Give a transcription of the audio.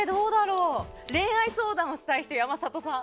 恋愛相談をしたい人山里さん。